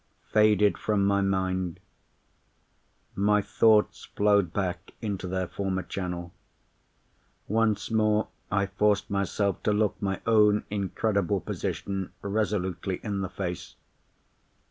—faded from my mind. My thoughts flowed back into their former channel. Once more, I forced myself to look my own incredible position resolutely in the face.